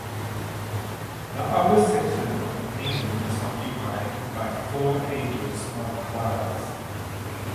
The upper section of the painting is occupied by four angels on clouds.